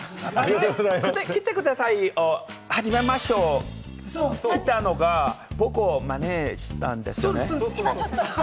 「来てください」と「始めましょう」と言うのは僕をマネしたんですね？